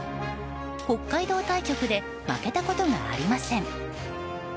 北海道対局で負けたことがありません。